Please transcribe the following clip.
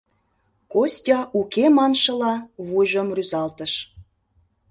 Костя уке маншыла вуйжым рӱзалтыш.